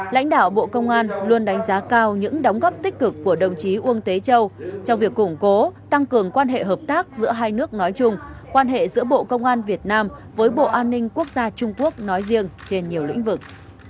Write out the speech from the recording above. lãnh đạo bộ công an luôn đánh giá cao những đóng góp tích cực của đồng chí uông tế châu trong việc củng cố tăng cường quan hệ hợp tác giữa hai nước nói chung quan hệ giữa bộ công an việt nam với bộ an ninh quốc gia trung quốc nói riêng trên nhiều lĩnh vực